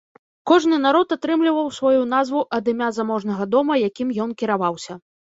Кожны народ атрымліваў сваю назву ад імя заможнага дома, якім ен кіраваўся.